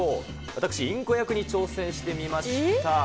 私、インコ役に挑戦してみました。